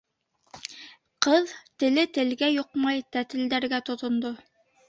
Ҡыҙ, теле-телгә йоҡмай, тәтелдәргә тотондо: